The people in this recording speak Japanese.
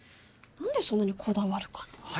何でそんなにこだわるかな？